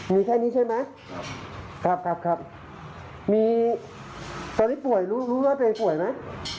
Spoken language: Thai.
มีตอนนี้ป่วยรู้รู้ว่าตัวเองป่วยมั้ย